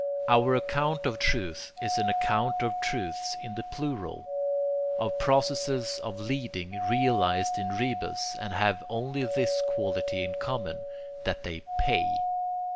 Our account of truth is an account of truths in the plural, of processes of leading, realized in rebus, and having only this quality in common, that they PAY.